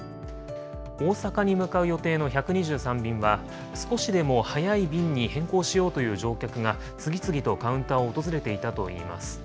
大阪に向かう予定の１２３便は、少しでも早い便に変更しようという乗客が次々とカウンターを訪れていたといいます。